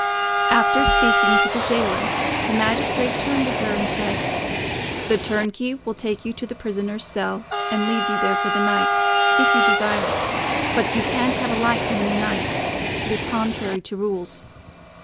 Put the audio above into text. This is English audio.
After speaking to the jailer, the magistrate turned to her and said, "The turnkey will take you to the prisoner's cell and leave you there for the night, if you desire it, but you can't have a light during the night—it is contrary to rules.